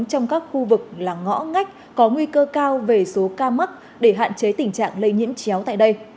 trong các khu vực là ngõ ngách có nguy cơ cao về số ca mắc để hạn chế tình trạng lây nhiễm chéo tại đây